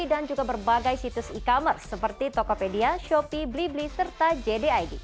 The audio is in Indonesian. dan juga berbagai situs e commerce seperti tokopedia shopee blibli serta jd id